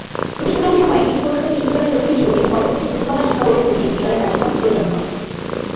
প্রতিষ্ঠাকালীন সময়ে এটি কলকাতা বিশ্ববিদ্যালয়ের অধীনে ছিল এবং পরবর্তীতে পূর্ব বাংলা শিক্ষা বোর্ডের অধীনে বিদ্যালয়ের কার্যক্রম পরিচালনা করে।